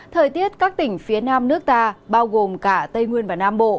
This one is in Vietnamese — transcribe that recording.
thời tiết các tỉnh phía nam nước ta bao gồm cả tây nguyên và nam bộ